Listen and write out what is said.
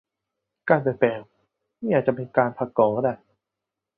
การเปลี่ยนแปลง นี่อาจเป็น การผลักกล่อง